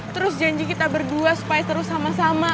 terus janji kita berdua supaya terus sama sama